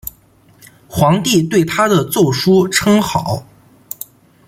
皇帝对他的奏疏称好。